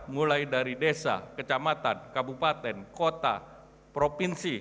mulai dari desa kecamatan kabupaten kota provinsi